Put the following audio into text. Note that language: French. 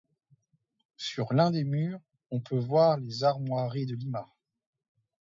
Sur l'un des murs, on peut voir les armoiries de Lima.